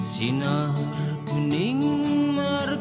sekarang di anticara